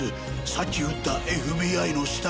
さっき撃ったＦＢＩの死体。